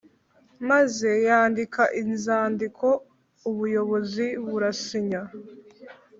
maze yandika inzandiko ubuyobozi burasinya.